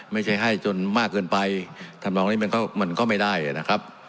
ไม่ใช่ให้จนมากเกินไปทำนองนี้มันก็ไม่ได้นะครับ